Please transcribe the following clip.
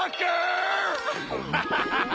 ウハハハハ！